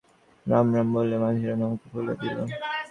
রাম রাম বলিয়া মাঝিরা নৌকা খুলিয়া দিল।